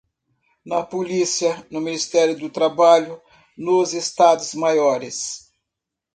na Policia, no Ministério do Trabalho, nos Estados Maiores